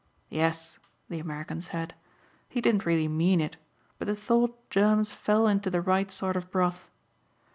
"Yes," the American said, "He didn't really mean it but the thought germs fell into the right sort of broth.